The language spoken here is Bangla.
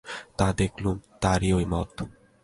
তা দেখলুম, তাঁরও ঐ মত।